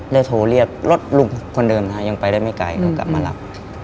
แล้วโทรเรียกรถลุงคนเดิมยังไปได้ไม่ไกลกลับมารับ